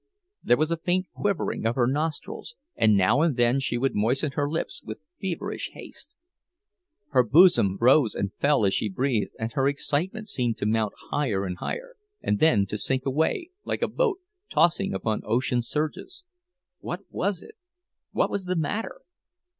There was a faint quivering of her nostrils; and now and then she would moisten her lips with feverish haste. Her bosom rose and fell as she breathed, and her excitement seemed to mount higher and higher, and then to sink away again, like a boat tossing upon ocean surges. What was it? What was the matter?